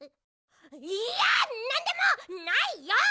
いやなんでもないよ！